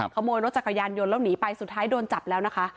ขโมยรถจักรยานยนต์แล้วหนีไปสุดท้ายโดนจับแล้วนะคะ